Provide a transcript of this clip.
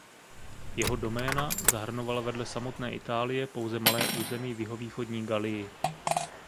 Jeho doména zahrnovala vedle samotné Itálie pouze malé území v jihovýchodní Galii.